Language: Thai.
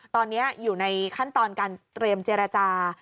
ตอนนี้อยู่ในขั้นตอนการเตรียมเจรจา